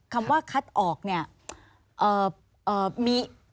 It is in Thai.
คำว่าคัดออกเนี่ย